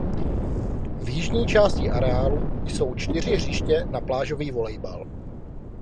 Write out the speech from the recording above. V jižní části areálu jsou čtyři hřiště na plážový volejbal.